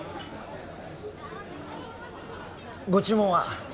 ご注文は？